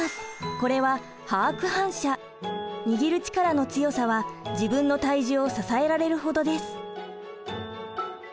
これは握る力の強さは自分の体重を支えられるほどです。